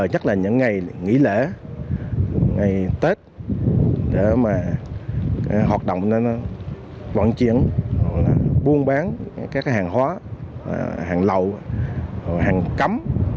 nhất là những ngày nghỉ lễ ngày tết để hoạt động vận chuyển buôn bán các hàng hóa hàng lậu hàng cấm